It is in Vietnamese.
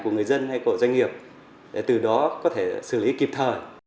của người dân hay của doanh nghiệp để từ đó có thể xử lý kịp thời